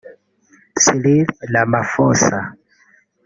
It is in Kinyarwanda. Cyril Ramaphosa